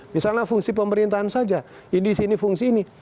misalnya fungsi pemerintahan saja ini di sini fungsi ini